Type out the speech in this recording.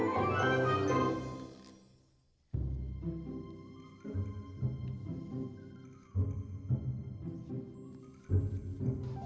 mbak ini cukupnya buat beli apa ya